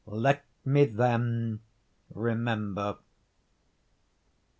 Let me then remember.